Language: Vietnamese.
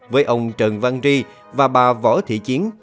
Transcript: với ông trần văn ri và bà võ thị chiến